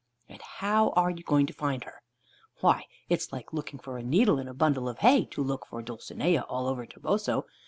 "And how are you going to find her?" "Why, it's like looking for a needle in a bundle of hay, to look for Dulcinea all over Toboso.